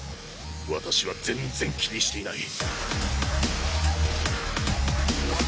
私は全然気にしていない。